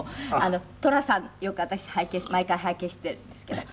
『寅さん』よく私毎回拝見しているんですけど。